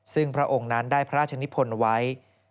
ซึ่งพระองค์นั้นได้พระราชนิพลไว้